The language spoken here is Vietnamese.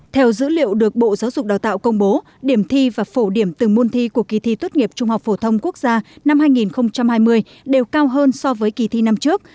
theo dữ liệu được bộ giáo dục đào tạo công bố điểm thi và phổ điểm từ môn thi của kỳ thi tốt nghiệp trung học phổ thông quốc gia năm hai nghìn hai mươi đều cao hơn so với kỳ thi năm trước